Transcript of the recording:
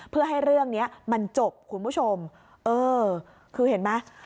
เพื่อให้เรื่องเนี้ยมันจบคุณผู้ชมเออคือเห็นไหม